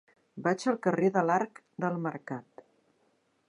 Vaig al carrer de l'Arc del Mercat.